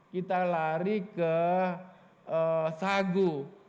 kita lari ke sagu